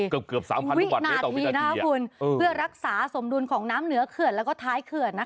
เกือบเกือบสามพันลูกบาทเมตรต่อวินาทีนะครับคุณเออเพื่อรักษาสมดุลของน้ำเหนือเขื่อนแล้วก็ท้ายเขื่อนนะคะ